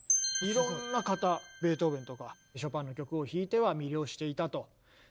いろんな方ベートーベンとかショパンの曲を弾いては魅了していたと。